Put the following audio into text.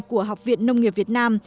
của học viện nông nghiệp việt nam